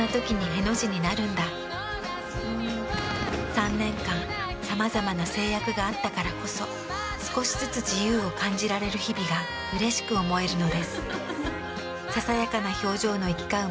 ３年間さまざまな制約があったからこそ少しずつ自由を感じられる日々がうれしく思えるのです。